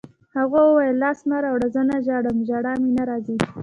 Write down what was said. هغې وویل: لاس مه راوړه، زه نه ژاړم، ژړا مې نه راځي.